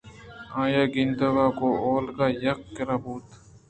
آئی ءِ گندگ ءَ گوں اولگا یک کِرّ بوت